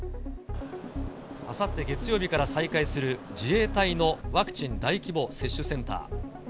あさって月曜日から再開する、自衛隊のワクチン大規模接種センター。